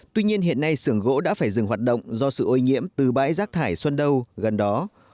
tuy nhiên hiện nay sưởng gỗ đã phải dừng hoạt động do sự ô nhiễm từ bãi rác thải xuân đông gần đó